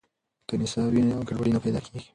که نصاب وي نو ګډوډي نه پیدا کیږي.